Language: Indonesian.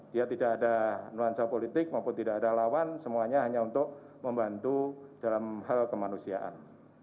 dia tidak ada nuansa politik maupun tidak ada lawan semuanya hanya untuk membantu dalam hal kemanusiaan